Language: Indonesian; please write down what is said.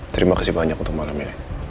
terima kasih banyak untuk malam ini